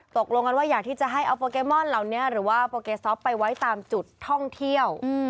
ตกลงกันว่าอยากที่จะให้เอาโปเกมอนเหล่านี้หรือว่าโปเกซอปไปไว้ตามจุดท่องเที่ยว